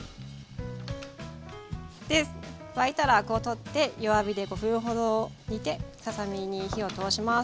で沸いたらアクを取って弱火で５分ほど煮てささ身に火を通します。